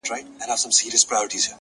• دوه شاهان په یوه ملک کي نه ځاییږي,